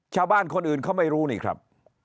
ชาวบ้านคนอื่นเขาไม่รู้นี่ครับ